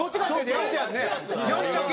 やんちゃ系。